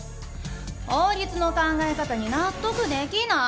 法律の考え方に納得できない！